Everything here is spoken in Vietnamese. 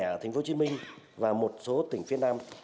ở tp hcm và một số tỉnh phía nam